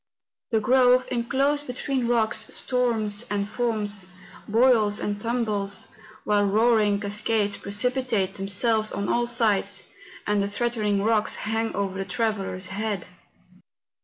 The grove, enclosed between rocks, storms and foams, boils and tumbles, while roaring cascades precipitate themselves on all sides, and the threat¬ ening rocks hang over the traveller's head.